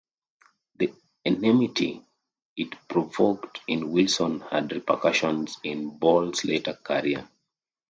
The enmity it provoked in Wilson had repercussions in Boult's later career.